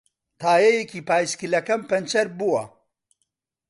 تایەیەکی پایسکلەکەم پەنچەر بووە.